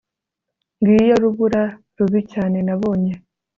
Ngiyo rubura rubi cyane nabonye